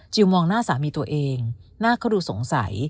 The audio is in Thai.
มองหน้าสามีตัวเองหน้าเขาดูสงสัย